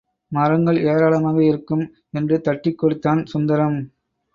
மரங்கள் ஏராளமாக இருக்கும் என்று தட்டிக் கொடுத்தான் சுந்தரம்.